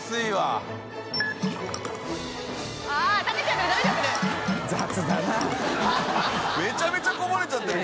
世福河合）めちゃめちゃこぼれちゃってる。